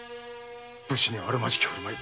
武士にあるまじき振る舞い。